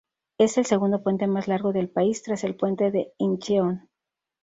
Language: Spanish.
Es el segundo puente más largo del país, tras el Puente de Incheon.